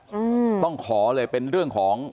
อืมเค้าต้องขอเลยฮะ